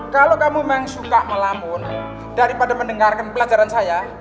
kalau kamu memang suka melamun daripada mendengarkan pelajaran saya